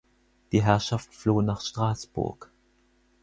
Die Herrschaft floh nach Straßburg.